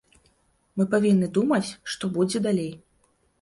Мы павінны думаць, што будзе далей.